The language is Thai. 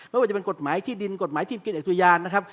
ไม่ว่าจะเป็นกฎหมายที่ดินกฎหมายที่กินอุทยานนะครับ